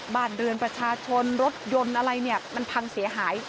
บ้านเรือนประชาชนรถยนต์อะไรเนี่ยมันพังเสียหาย